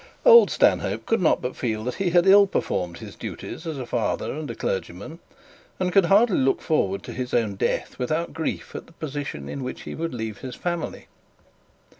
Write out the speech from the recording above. Old Stanhope could not but feel that he had ill performed his duties as a father and a clergyman; and could hardly look forward to his own death without grief at the position in which he would leave his family.